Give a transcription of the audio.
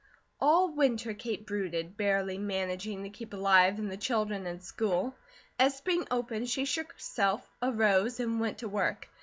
All winter Kate brooded, barely managing to keep alive, and the children in school. As spring opened, she shook herself, arose, and went to work.